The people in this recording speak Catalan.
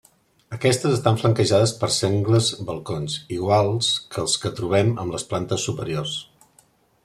Aquestes estan flanquejades per sengles balcons, iguals que els que trobem en les plantes superiors.